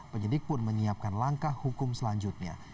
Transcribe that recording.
penyidik pun menyiapkan langkah hukum selanjutnya